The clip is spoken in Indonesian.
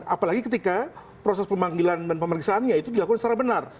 apalagi ketika proses pemanggilan dan pemeriksaannya itu dilakukan secara benar